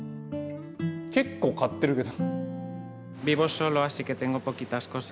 結構買ってるけど。